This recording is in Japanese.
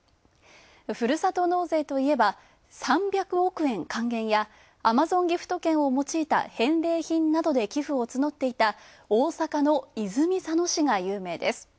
ふるさと納税といえば、３００億円還元やアマゾンギフト券を用いた返礼品などで寄付を募っていた大阪の泉佐野市が有名です。